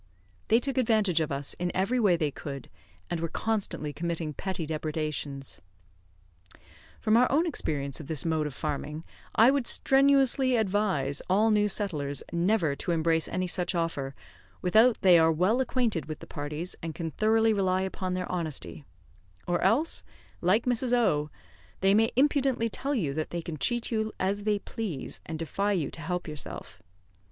They took advantage of us in every way they could, and were constantly committing petty depredations. From our own experience of this mode of farming, I would strenuously advise all new settlers never to embrace any such offer, without they are well acquainted with the parties, and can thoroughly rely upon their honesty; or else, like Mrs. O , they may impudently tell you that they can cheat you as they please, and defy you to help yourself.